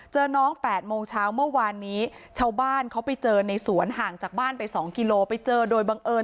น้อง๘โมงเช้าเมื่อวานนี้ชาวบ้านเขาไปเจอในสวนห่างจากบ้านไป๒กิโลไปเจอโดยบังเอิญ